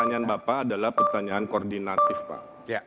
pertanyaan bapak adalah pertanyaan koordinatif pak